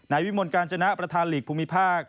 วิมลกาญจนะประธานหลีกภูมิภาค